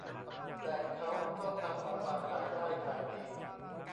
แต่เค้าก็ทำออกมาขายได้ขายดี